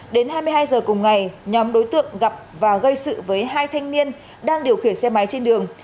đến hai mươi hai h cùng ngày nhóm đối tượng gặp và gây sự với hai thanh niên đang điều khiển xe máy trên đường